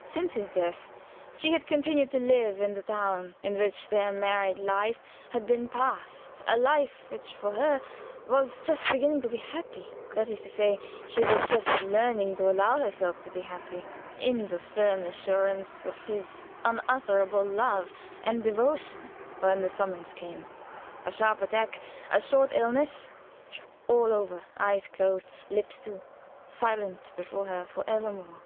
Since his death she had continued to live in the town in which their married life had been passed a life which for her was just beginning to be happy that is to say, she was just learning to allow herself to be happy, in the firm assurance of his unalterable love and devotion, when the summons came; a sharp attack, a short illness, all over eyes closed, lips, too silent before her for evermore.